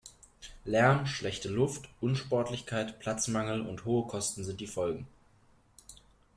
Lärm, schlechte Luft, Unsportlichkeit, Platzmangel und hohe Kosten sind die Folgen.